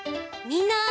みんな！